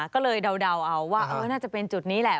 ก็เลยเดาเอาว่าน่าจะเป็นจุดนี้แหละ